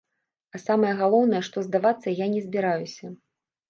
А самае галоўнае, што здавацца я не збіраюся.